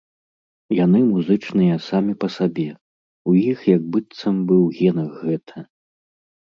Яны музычныя самі па сабе, у іх як быццам бы ў генах гэта.